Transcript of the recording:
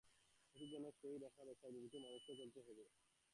এটি যেন সেই রেখা বা ব্যাসার্ধ, যেটি ধরে মানুষকে চলতে হবে।